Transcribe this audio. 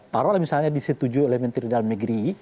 taruh misalnya disitu tujuh elemen dari dalam negeri